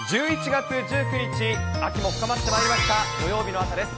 １１月１９日、秋も深まってまいりました、土曜日の朝です。